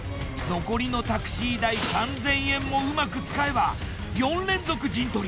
残りのタクシー代３、０００円もうまく使えば４連続陣取り。